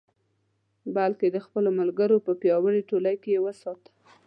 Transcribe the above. بلکې د خپلو ملګرو په پیاوړې ټولۍ کې یې وساته.